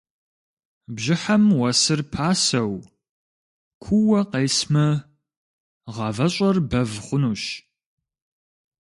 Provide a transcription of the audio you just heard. Бжьыхьэм уэсыр пасэу, куууэ къесмэ, гъавэщӏэр бэв хъунущ.